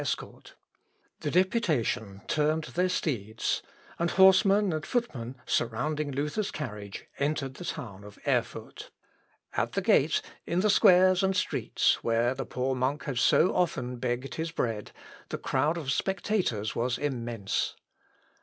581.) The deputation turned their steeds, and horsemen and footmen, surrounding Luther's carriage, entered the town of Erfurt. At the gate, in the squares and streets, where the poor monk had so often begged his bread, the crowd of spectators was immense.